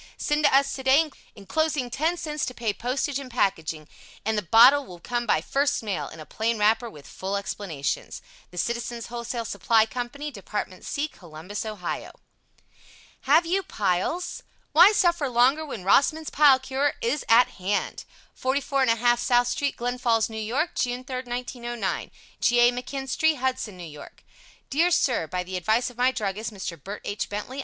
Send to us today, enclosing 10c to pay postage and packing, and the bottle will come by first mail in a plain wrapper with full explanations. The Citizens' Wholesale Supply Co. Department C. Columbus, Ohio Have You Piles? Why Suffer Longer When ROSSMAN'S PILE CURE IS AT HAND 44 1/2 South St., Glens Falls, N. Y., June 3, 1909. G. A. McKinstry, Hudson, N. Y. Dear Sir: By the advice of my druggist, Mr. Bert H. Bentley.